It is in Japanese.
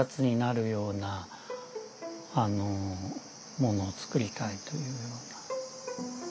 何かを作りたいというような。